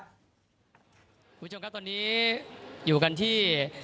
คุณผู้ชมครับตอนนี้อยู่กันที่